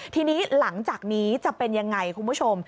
ทีนี้หลังจากนี้จะเป็นยังไงคุณผู้ชม